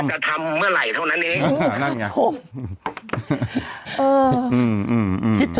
กระทำเมื่อไหร่เท่านั้นเอง